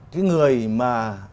cái người mà